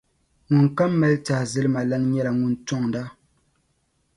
ŋunkam mali tɛhizilimalana nyɛla ŋun tɔŋda.